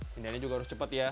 pindahnya juga harus cepat ya